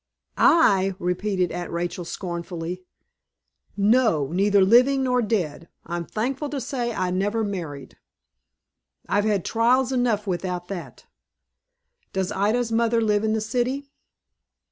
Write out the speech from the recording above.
"I!" repeated Aunt Rachel, scornfully. "No, neither living nor dead. I'm thankful to say I never married. I've had trials enough without that. Does Ida's mother live in the city?"